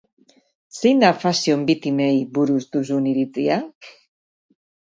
Zein da fashion victim-ei buruz duzun iritzia?